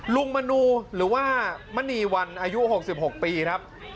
มนูหรือว่ามณีวันอายุ๖๖ปีครับ